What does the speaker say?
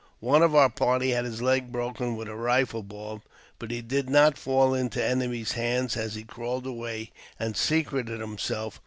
One of our party had his leg broken with a rifle ball, but he did not fall into the enemy's hands, as he crawled away and secreted himself.